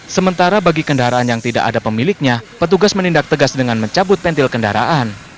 sementara bagi kendaraan yang tidak ada pemiliknya petugas menindak tegas dengan mencabut pentil kendaraan